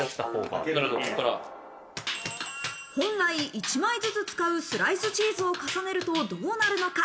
本来、１枚ずつ使うスライスチーズを重ねると、どうなるのか。